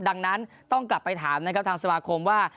ดังนั้นต้องกลับไปถามนะครับทางสมาคมว่า